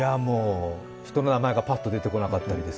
人の名前がパッと出てこなかったり。